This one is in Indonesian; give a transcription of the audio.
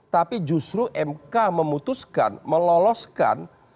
tapi justru mk memutuskan meloloskan